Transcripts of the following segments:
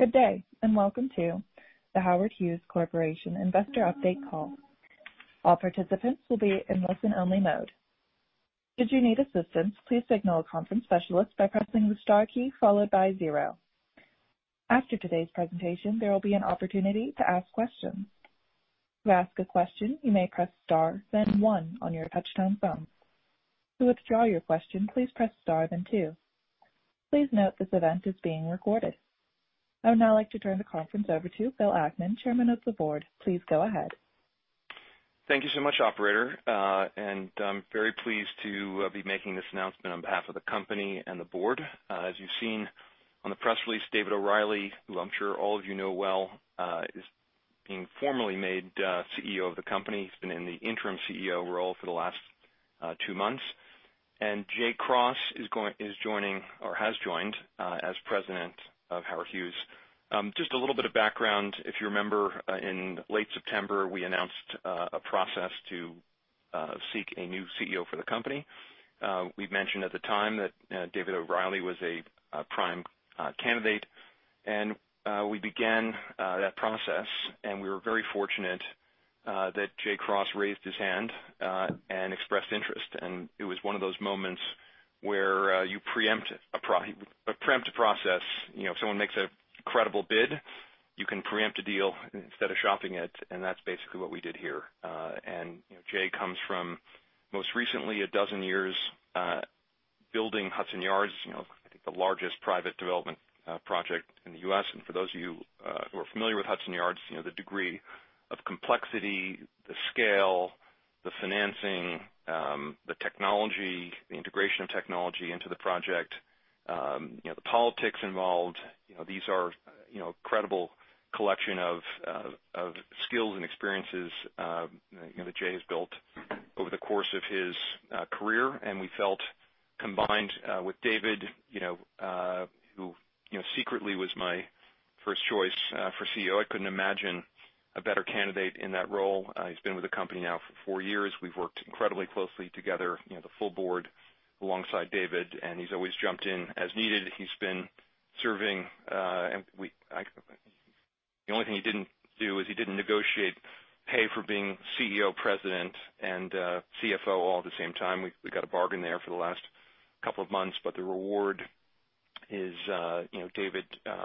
Good day. Welcome to the Howard Hughes Corporation Investor Update Call. All participants will be in listen-only mode. Should you need assistance, please signal a conference specialist by pressing the star key followed by zero. After today's presentation, there will be an opportunity to ask questions. To ask a question, you may press star, then one on your touchtone phone. To withdraw your question, please press star, then two. Please note this event is being recorded. I would now like to turn the conference over to Bill Ackman, Chairman of the Board. Please go ahead. Thank you so much, operator. I'm very pleased to be making this announcement on behalf of the company and the board. As you've seen on the press release, David O'Reilly, who I'm sure all of you know well, is being formally made CEO of the company. He's been in the interim CEO role for the last two months. Jay Cross is joining, or has joined, as President of Howard Hughes. Just a little bit of background. If you remember, in late September, we announced a process to seek a new CEO for the company. We'd mentioned at the time that David O'Reilly was a prime candidate, and we began that process, and we were very fortunate that Jay Cross raised his hand and expressed interest. It was one of those moments where you preempt a process. If someone makes a credible bid, you can preempt a deal instead of shopping it, that's basically what we did here. Jay comes from, most recently, a dozen years building Hudson Yards, I think the largest private development project in the U.S. For those of you who are familiar with Hudson Yards, the degree of complexity, the scale, the financing, the technology, the integration of technology into the project, the politics involved. These are a credible collection of skills and experiences that Jay has built over the course of his career. We felt, combined with David, who secretly was my first choice for CEO, I couldn't imagine a better candidate in that role. He's been with the company now for four years. We've worked incredibly closely together, the full board alongside David, and he's always jumped in as needed. He's been serving, the only thing he didn't do is he didn't negotiate pay for being CEO, President, and CFO all at the same time. We got a bargain there for the last couple of months. The reward is David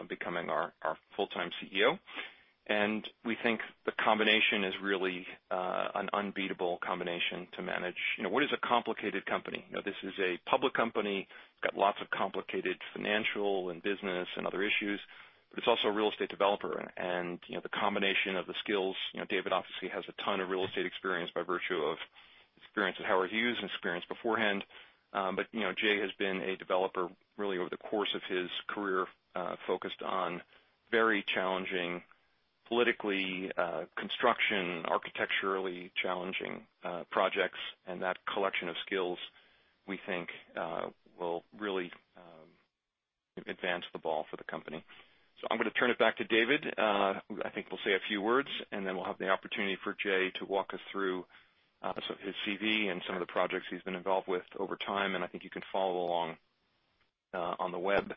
becoming our full-time CEO. We think the combination is really an unbeatable combination to manage what is a complicated company. This is a public company, got lots of complicated financial and business and other issues, but it's also a real estate developer. The combination of the skills, David obviously has a ton of real estate experience by virtue of his experience at Howard Hughes and experience beforehand. Jay has been a developer really over the course of his career, focused on very challenging, politically, construction, architecturally challenging projects. That collection of skills, we think will really advance the ball for the company. I'm going to turn it back to David, who I think will say a few words, and then we'll have the opportunity for Jay to walk us through sort of his CV and some of the projects he's been involved with over time, and I think you can follow along on the web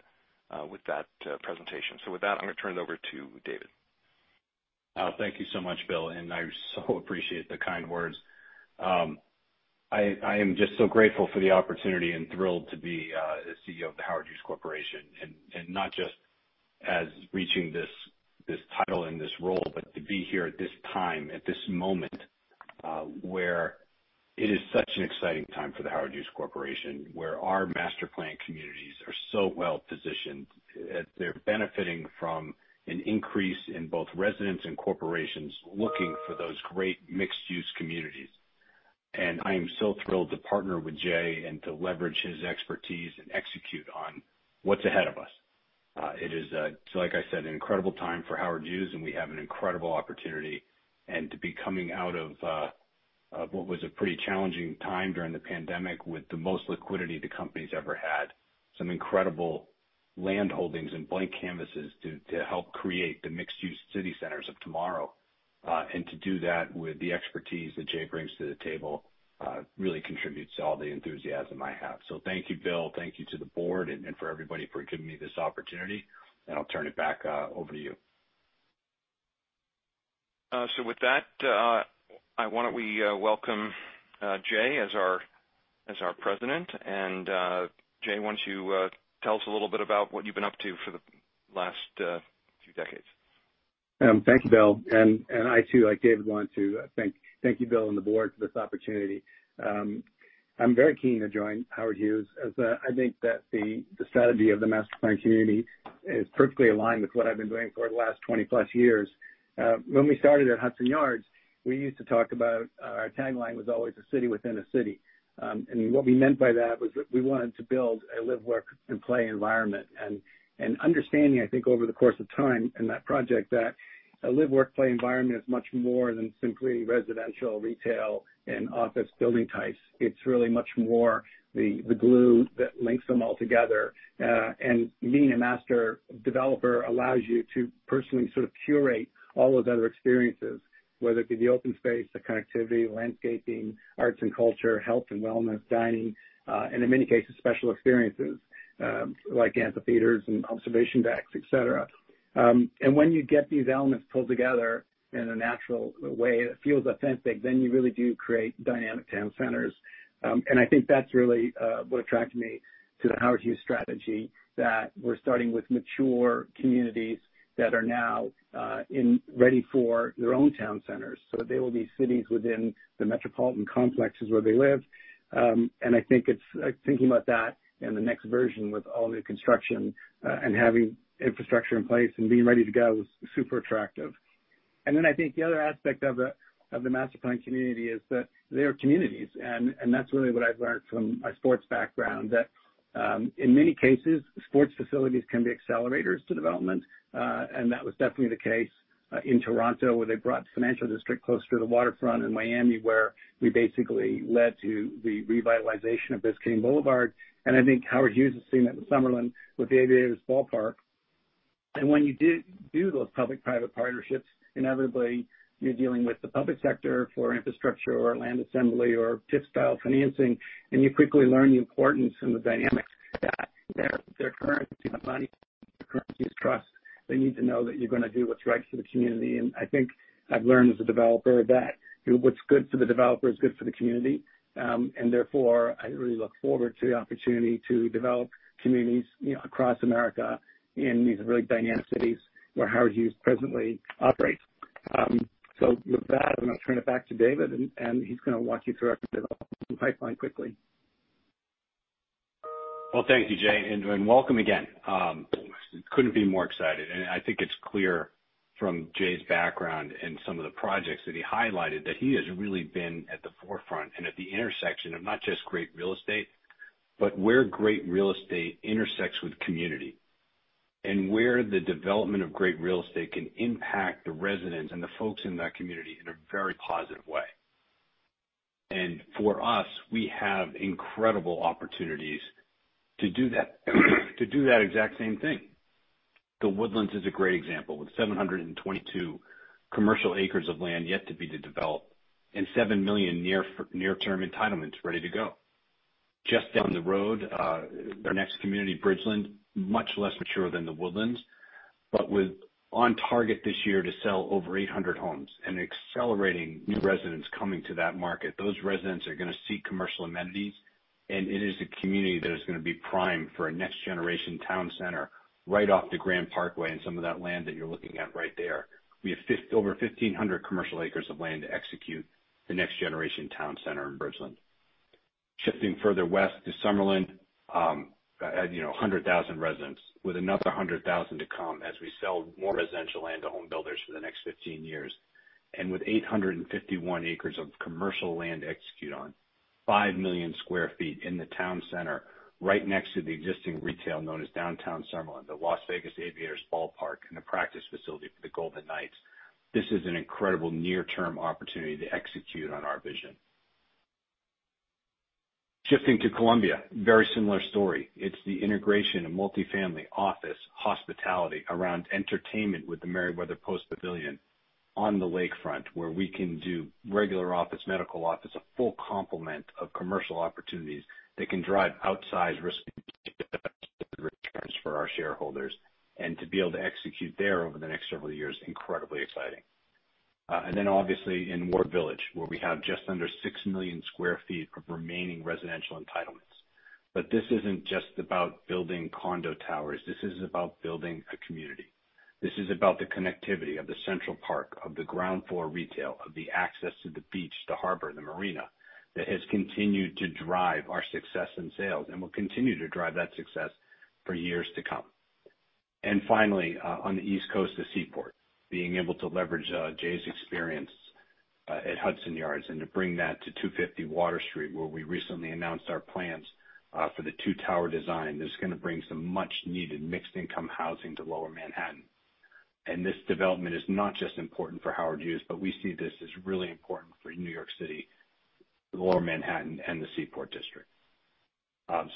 with that presentation. With that, I'm going to turn it over to David. Thank you so much, Bill. I so appreciate the kind words. I am just so grateful for the opportunity and thrilled to be the CEO of the Howard Hughes Corporation. Not just as reaching this title and this role, but to be here at this time, at this moment, where it is such an exciting time for the Howard Hughes Corporation, where our master planned communities are so well positioned. They're benefiting from an increase in both residents and corporations looking for those great mixed-use communities. I am so thrilled to partner with Jay and to leverage his expertise and execute on what's ahead of us. It is a, like I said, an incredible time for Howard Hughes, and we have an incredible opportunity. To be coming out of what was a pretty challenging time during the pandemic with the most liquidity the company's ever had, some incredible land holdings and blank canvases to help create the mixed-use city centers of tomorrow. To do that with the expertise that Jay brings to the table really contributes to all the enthusiasm I have. Thank you, Bill, thank you to the board and for everybody for giving me this opportunity, and I'll turn it back over to you. With that, why don't we welcome Jay as our president. Jay, why don't you tell us a little bit about what you've been up to for the last few decades? Thank you, Bill. I too, like David, want to thank you, Bill and the board, for this opportunity. I'm very keen to join Howard Hughes as I think that the strategy of the master planned community is perfectly aligned with what I've been doing for the last 20+ years. When we started at Hudson Yards, we used to talk about, our tagline was always "A city within a city." What we meant by that was that we wanted to build a live, work, and play environment. Understanding, I think, over the course of time in that project that a live, work, play environment is much more than simply residential, retail, and office building types. It's really much more the glue that links them all together. Being a master developer allows you to personally sort of curate all those other experiences, whether it be the open space, the connectivity, landscaping, arts and culture, health and wellness, dining, and in many cases, special experiences like amphitheaters and observation decks, et cetera. When you get these elements pulled together in a natural way that feels authentic, then you really do create dynamic town centers. I think that's really what attracted me to the Howard Hughes strategy, that we're starting with mature communities that are now ready for their own town centers. They will be cities within the metropolitan complexes where they live. Thinking about that and the next version with all new construction and having infrastructure in place and being ready to go was super attractive. Then I think the other aspect of the Master-Planned Community is that they are communities. That's really what I've learned from my sports background, that in many cases, sports facilities can be accelerators to development. That was definitely the case in Toronto, where they brought the financial district closer to the waterfront, in Miami, where we basically led to the revitalization of Biscayne Boulevard. I think Howard Hughes has seen that in Summerlin with the Aviators ballpark. When you do those public-private partnerships, inevitably you're dealing with the public sector for infrastructure or land assembly or TIF-style financing, and you quickly learn the importance and the dynamics, that their currency isn't money, their currency is trust. They need to know that you're going to do what's right for the community. I think I've learned as a developer that what's good for the developer is good for the community. Therefore, I really look forward to the opportunity to develop communities across America in these really dynamic cities where Howard Hughes presently operates. With that, I'm going to turn it back to David, and he's going to walk you through our development pipeline quickly. Well, thank you, Jay, and welcome again. Couldn't be more excited. I think it's clear from Jay's background and some of the projects that he highlighted, that he has really been at the forefront and at the intersection of not just great real estate, but where great real estate intersects with community. Where the development of great real estate can impact the residents and the folks in that community in a very positive way. For us, we have incredible opportunities to do that exact same thing. The Woodlands is a great example, with 722 commercial acres of land yet to be developed and 7 million near-term entitlements ready to go. Just down the road, our next community, Bridgeland, much less mature than The Woodlands, but on target this year to sell over 800 homes and accelerating new residents coming to that market. Those residents are going to seek commercial amenities, and it is a community that is going to be primed for a next generation town center right off the Grand Parkway and some of that land that you're looking at right there. We have over 1,500 commercial acres of land to execute the next generation town center in Bridgeland. Shifting further west to Summerlin, at 100,000 residents with another 100,000 to come as we sell more residential land to home builders for the next 15 years. With 851 acres of commercial land to execute on, 5 million square feet in the town center, right next to the existing retail known as Downtown Summerlin, the Las Vegas Aviators ballpark and the practice facility for the Golden Knights. This is an incredible near-term opportunity to execute on our vision. Shifting to Columbia, very similar story. It's the integration of multifamily, office, hospitality around entertainment with the Merriweather Post Pavilion on the lakefront, where we can do regular office, medical office, a full complement of commercial opportunities that can drive outsized risk-adjusted returns for our shareholders. To be able to execute there over the next several years, incredibly exciting. Obviously in Ward Village, where we have just under 6 million square feet of remaining residential entitlements. This isn't just about building condo towers. This is about building a community. This is about the connectivity of the central park, of the ground floor retail, of the access to the beach, the harbor, the marina, that has continued to drive our success in sales and will continue to drive that success for years to come. Finally, on the East Coast to Seaport, being able to leverage Jay's experience at Hudson Yards and to bring that to 250 Water Street, where we recently announced our plans for the two-tower design that's going to bring some much needed mixed income housing to Lower Manhattan. This development is not just important for Howard Hughes, but we see this as really important for New York City, Lower Manhattan, and the Seaport District.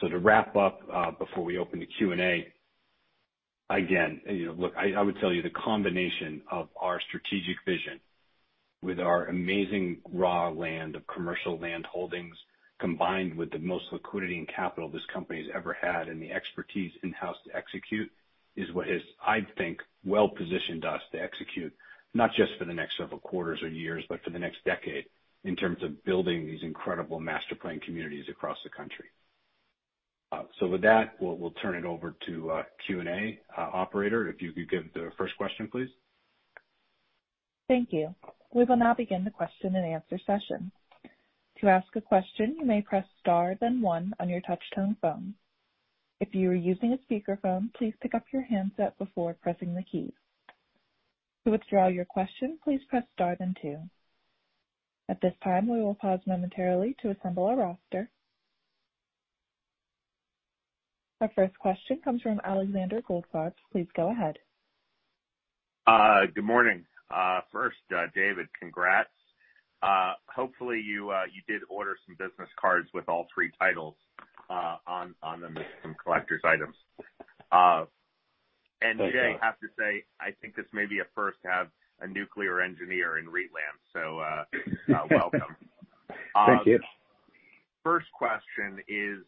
To wrap up before we open to Q&A, again, look, I would tell you the combination of our strategic vision with our amazing raw land of commercial land holdings, combined with the most liquidity and capital this company's ever had and the expertise in-house to execute, is what has, I think, well positioned us to execute not just for the next several quarters or years, but for the next decade in terms of building these incredible Master-Planned Communities across the country. With that, we'll turn it over to Q&A. Operator, if you could give the first question, please. Thank you. We will now begin the question and answer session. At this time, we will pause momentarily to assemble our roster. Our first question comes from Alexander Goldfarb. Please go ahead. Good morning. First David, congrats. Hopefully, you did order some business cards with all three titles on them as some collector's items. Thanks, Alex. Jay, I have to say, I think this may be a first to have a nuclear engineer in REIT land. Welcome. Thank you. First question is,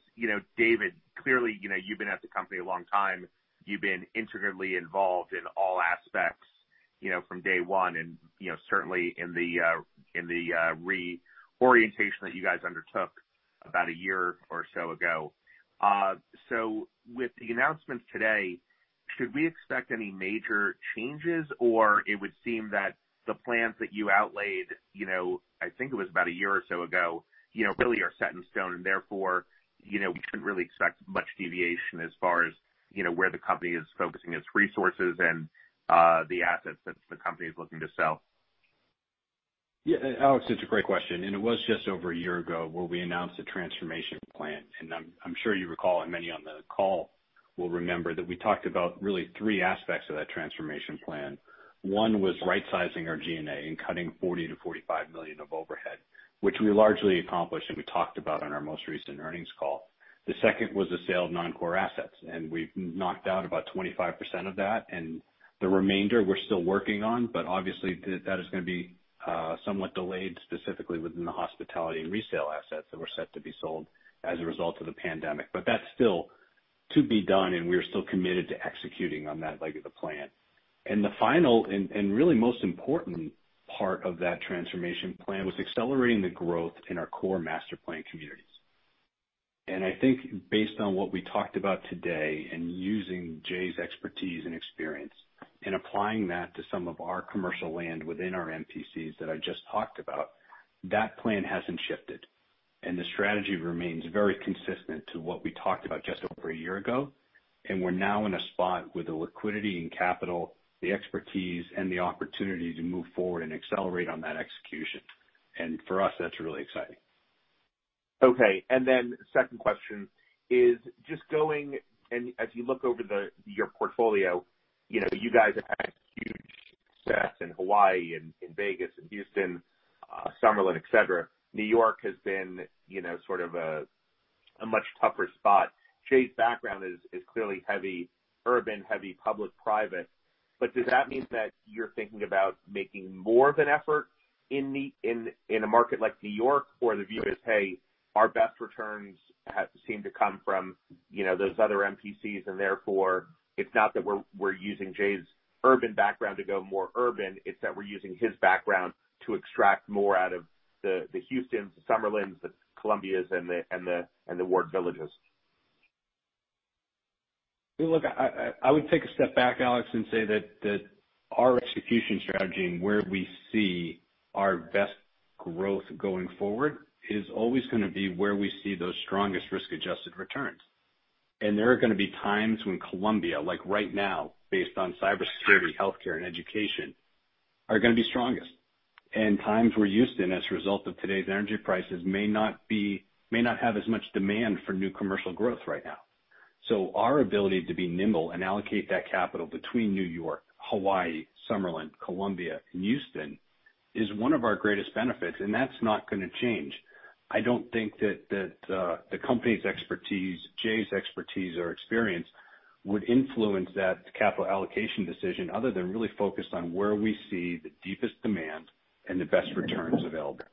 David, clearly, you've been at the company a long time. You've been intricately involved in all aspects from day one, and certainly in the reorientation that you guys undertook about a year or so ago. With the announcements today, should we expect any major changes, or it would seem that the plans that you outlaid, I think it was about a year or so ago, really are set in stone, and therefore, we shouldn't really expect much deviation as far as where the company is focusing its resources and the assets that the company is looking to sell? Yeah, Alex, it's a great question. It was just over a year ago where we announced the transformation plan. I'm sure you recall, and many on the call will remember, that we talked about really three aspects of that transformation plan. One was right-sizing our G&A and cutting $40 million-$45 million of overhead, which we largely accomplished. We talked about on our most recent earnings call. The second was the sale of non-core assets. We've knocked out about 25% of that, and the remainder we're still working on. Obviously, that is going to be somewhat delayed, specifically within the hospitality and resale assets that were set to be sold as a result of the pandemic. That's still to be done. We are still committed to executing on that leg of the plan. The final, and really most important part of that transformation plan, was accelerating the growth in our core Master-Planned Communities. I think based on what we talked about today, and using Jay's expertise and experience and applying that to some of our commercial land within our MPCs that I just talked about, that plan hasn't shifted, and the strategy remains very consistent to what we talked about just over a year ago. We're now in a spot with the liquidity and capital, the expertise, and the opportunity to move forward and accelerate on that execution. For us, that's really exciting. Second question is just as you look over your portfolio, you guys have had huge success in Hawaii and in Vegas and Houston, Summerlin, et cetera. New York has been sort of a much tougher spot. Jay's background is clearly heavy urban, heavy public/private. Does that mean that you're thinking about making more of an effort in a market like New York? The view is, hey, our best returns seem to come from those other MPCs, and therefore, it's not that we're using Jay's urban background to go more urban, it's that we're using his background to extract more out of the Houstons, the Summerlins, the Columbias and the Ward Villages. Look, I would take a step back, Alex, and say that our execution strategy and where we see our best growth going forward is always going to be where we see those strongest risk-adjusted returns. There are going to be times when Columbia, like right now, based on cybersecurity, healthcare, and education, are going to be strongest. Times where Houston, as a result of today's energy prices, may not have as much demand for new commercial growth right now. Our ability to be nimble and allocate that capital between New York, Hawaii, Summerlin, Columbia, and Houston is one of our greatest benefits, and that's not going to change. I don't think that the company's expertise, Jay's expertise or experience, would influence that capital allocation decision other than really focused on where we see the deepest demand and the best returns available.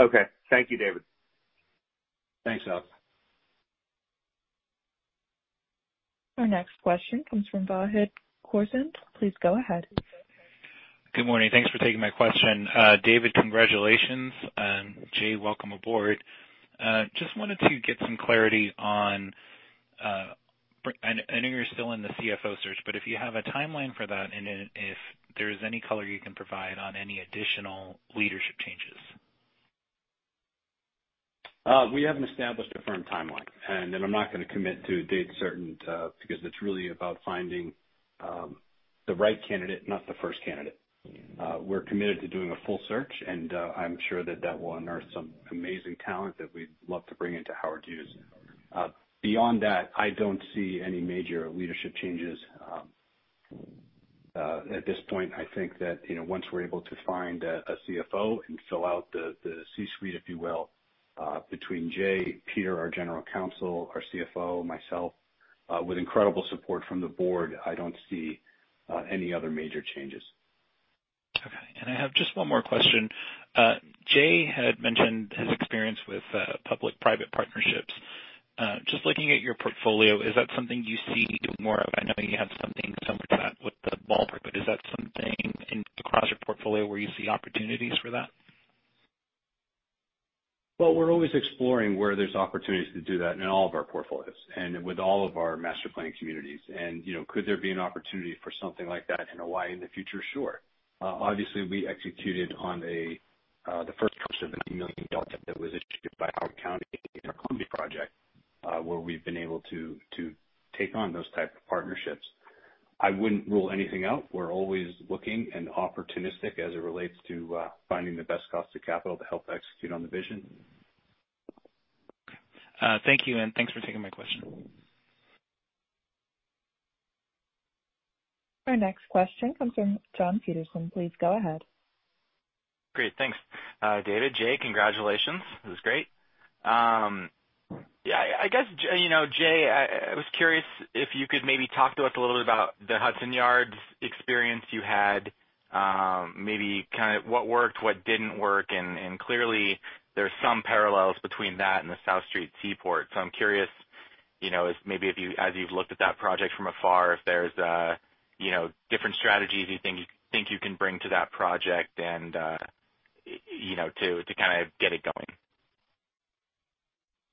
Okay. Thank you, David. Thanks, Alex. Our next question comes from Vahid Khorsand. Please go ahead. Good morning. Thanks for taking my question. David, congratulations, and Jay, welcome aboard. Just wanted to get some clarity. I know you're still in the CFO search, but if you have a timeline for that and if there is any color you can provide on any additional leadership changes. We haven't established a firm timeline, and I'm not going to commit to a date certain because it's really about finding the right candidate, not the first candidate. We're committed to doing a full search, and I'm sure that that will unearth some amazing talent that we'd love to bring into Howard Hughes. Beyond that, I don't see any major leadership changes at this point. I think that once we're able to find a CFO and fill out the C-suite, if you will, between Jay, Peter, our general counsel, our CFO, myself, with incredible support from the board, I don't see any other major changes. Okay. I have just one more question. Jay had mentioned his experience with public-private partnerships. Just looking at your portfolio, is that something you see more of? I know you have something, some of that with the ballpark, but is that something across your portfolio where you see opportunities for that? Well, we're always exploring where there's opportunities to do that in all of our portfolios and with all of our Master-Planned Communities. Could there be an opportunity for something like that in Hawaii in the future? Sure. Obviously, we executed on the first Howard County in our Columbia project, where we've been able to take on those type of partnerships. I wouldn't rule anything out. We're always looking and opportunistic as it relates to finding the best cost of capital to help execute on the vision. Thank you, and thanks for taking my question. Our next question comes from Jon Peterson. Please go ahead. Great. Thanks. David, Jay, congratulations. This is great. I guess, Jay, I was curious if you could maybe talk to us a little bit about the Hudson Yards experience you had. Maybe kind of what worked, what didn't work, and clearly, there are some parallels between that and the South Street Seaport. I'm curious, maybe as you've looked at that project from afar, if there's different strategies you think you can bring to that project to kind of get it going.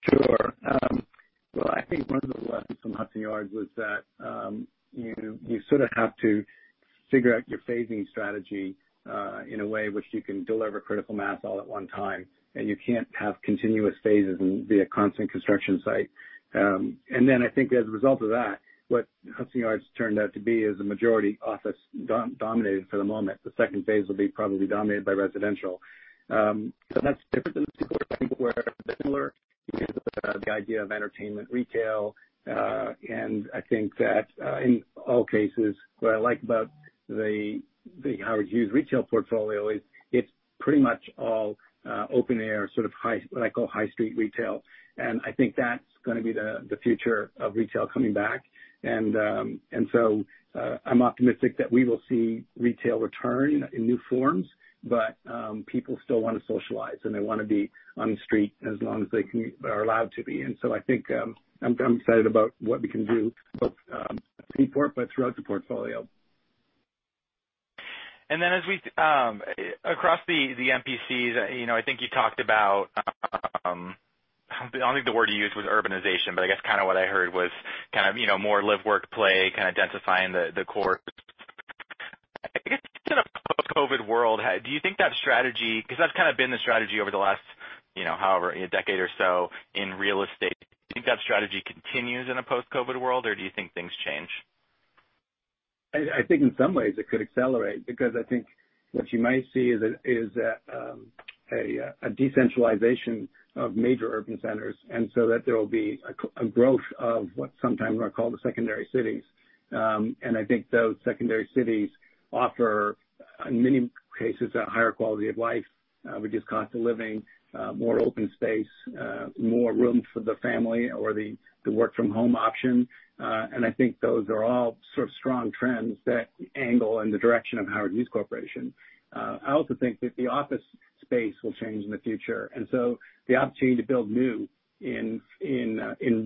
Sure. Well, I think one of the lessons from Hudson Yards was that you sort of have to figure out your phasing strategy in a way which you can deliver critical mass all at one time, you can't have continuous phases and be a constant construction site. I think as a result of that, what Hudson Yards turned out to be is a majority office dominated for the moment. The second phase will be probably dominated by residential. That's different than the Seaport, I think, where a similar idea of entertainment retail. I think that in all cases, what I like about the Howard Hughes retail portfolio is it's pretty much all open air, sort of what I call high street retail. I think that's going to be the future of retail coming back. I'm optimistic that we will see retail return in new forms. People still want to socialize, and they want to be on the street as long as they are allowed to be. I think I'm excited about what we can do, both at Seaport, but throughout the portfolio. Across the MPCs, I think you talked about, I don't think the word you used was urbanization, but I guess kind of what I heard was more live, work, play, kind of densifying the core. I guess in a post-COVID world, do you think that strategy, because that's kind of been the strategy over the last decade or so in real estate, continues in a post-COVID world, or do you think things change? I think in some ways it could accelerate, because I think what you might see is a decentralization of major urban centers, and so that there will be a growth of what sometimes are called the secondary cities. I think those secondary cities offer, in many cases, a higher quality of life, reduced cost of living, more open space, more room for the family or the work from home option. I think those are all sort of strong trends that angle in the direction of Howard Hughes Corporation. I also think that the office space will change in the future, the opportunity to build new in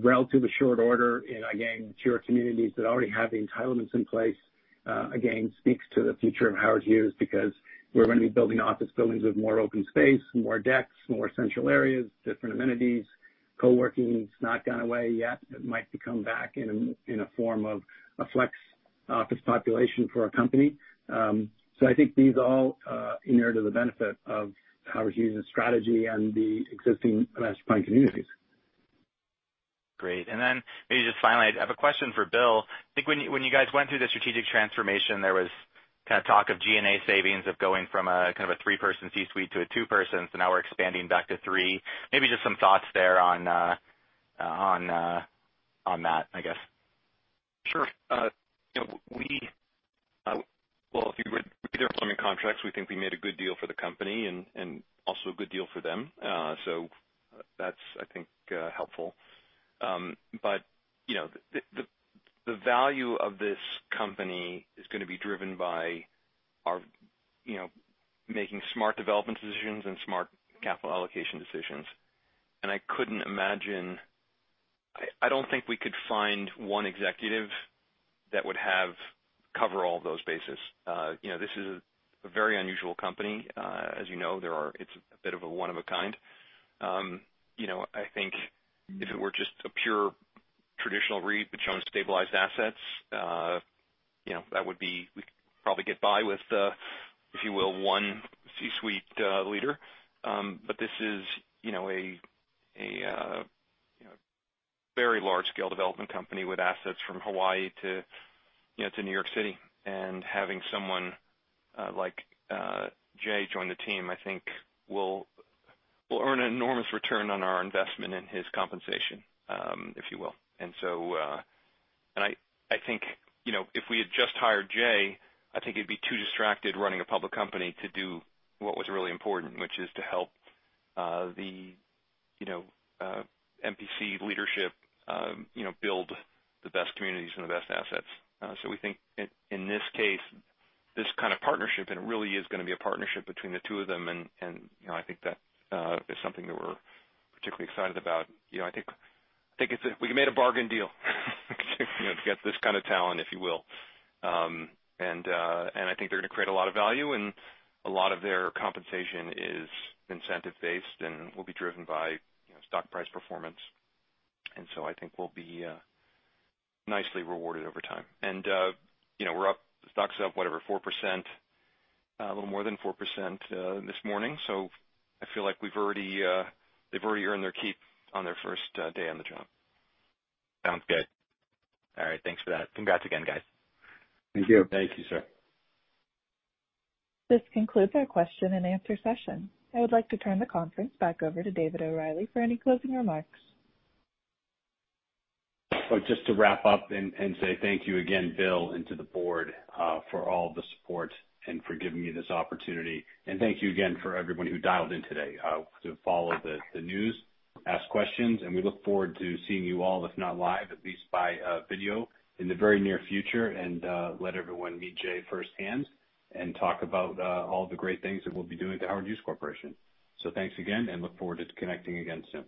relatively short order in, again, mature communities that already have the entitlements in place, again, speaks to the future of Howard Hughes, because we're going to be building office buildings with more open space, more decks, more central areas, different amenities. Coworking has not gone away yet. It might come back in a form of a flex office population for a company. I think these all inure to the benefit of Howard Hughes' strategy and the existing Master-Planned Communities. Great. Maybe just finally, I have a question for Bill. I think when you guys went through the strategic transformation, there was kind of talk of G&A savings of going from a kind of a three-person C-suite to a two-person. Now we're expanding back to three. Maybe just some thoughts there on that, I guess. If you read their employment contracts, we think we made a good deal for the company and also a good deal for them. That's, I think, helpful. The value of this company is going to be driven by our making smart development decisions and smart capital allocation decisions. I don't think we could find one executive that would cover all those bases. This is a very unusual company. As you know, it's a bit of a one of a kind. I think if it were just a pure traditional REIT that's showing stabilized assets, we could probably get by with, if you will, one C-suite leader. This is a very large-scale development company with assets from Hawaii to New York City. Having someone like Jay join the team, I think will earn an enormous return on our investment in his compensation, if you will. I think, if we had just hired Jay, I think he'd be too distracted running a public company to do what was really important, which is to help the MPC leadership build the best communities and the best assets. We think in this case, this kind of partnership, and it really is going to be a partnership between the two of them, and I think that is something that we're particularly excited about. I think we made a bargain deal to get this kind of talent, if you will. I think they're going to create a lot of value, and a lot of their compensation is incentive-based and will be driven by stock price performance. I think we'll be nicely rewarded over time. The stock's up, whatever, 4%, a little more than 4% this morning. I feel like they've already earned their keep on their first day on the job. Sounds good. All right, thanks for that. Congrats again, guys. Thank you. Thank you, sir. This concludes our question and answer session. I would like to turn the conference back over to David O'Reilly for any closing remarks. Just to wrap up and say thank you again, Bill, and to the board, for all the support and for giving me this opportunity. Thank you again for everyone who dialed in today to follow the news, ask questions, and we look forward to seeing you all, if not live, at least by video in the very near future. Let everyone meet Jay firsthand and talk about all the great things that we'll be doing at The Howard Hughes Corporation. Thanks again, and look forward to connecting again soon.